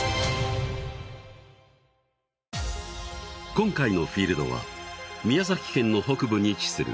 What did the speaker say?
今回のフィールドは宮崎県の北部に位置する